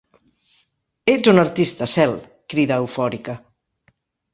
Ets un artista, Cel! —crida eufòrica.